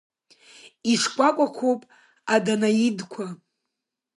Ишкәакәақәоуп аданаидқәа.